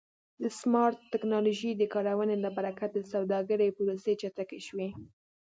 د سمارټ ټکنالوژۍ د کارونې له برکت د سوداګرۍ پروسې چټکې شوې.